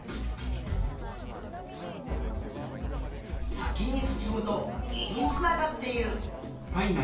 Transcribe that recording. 先に進むと胃につながっている。